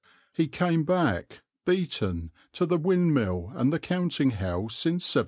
He came back, beaten, to the windmill and the counting house in 1797.